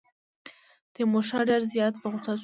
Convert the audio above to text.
تیمورشاه ډېر زیات په غوسه شو.